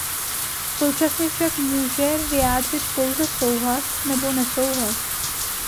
Současně však může vyjádřit pouze souhlas, nebo nesouhlas.